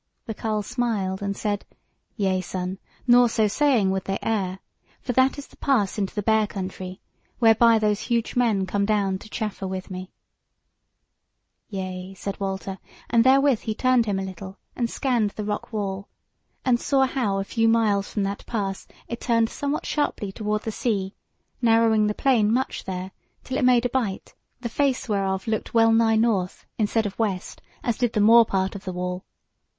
The carle smiled and said: "Yea, son; nor, so saying, would they err; for that is the pass into the Bear country, whereby those huge men come down to chaffer with me." "Yea," said Walter; and therewith he turned him a little, and scanned the rock wall, and saw how a few miles from that pass it turned somewhat sharply toward the sea, narrowing the plain much there, till it made a bight, the face whereof looked wellnigh north, instead of west, as did the more part of the wall.